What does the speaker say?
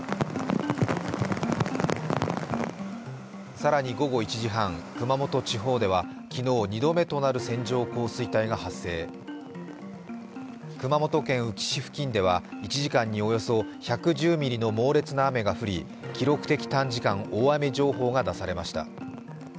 更に午後１時半、熊本地方では昨日２度目となる線状降水帯が発生熊本県宇城市付近では、１時間におよそ１１０ミリの猛烈な雨が降り、記録的短時間大雨情報が出されました。